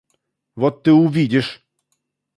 Вот ты увидишь.